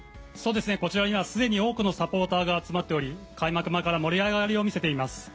こちらにはすでに多くのサポーターが集まっており開幕前から盛り上がりを見せています。